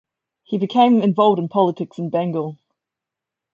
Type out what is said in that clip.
He became involved in politics in Bengal.